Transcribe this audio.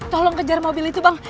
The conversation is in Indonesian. tolong kejar mobil itu bang